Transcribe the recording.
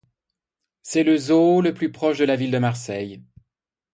C'est le zoo le plus proche de la ville de Marseille.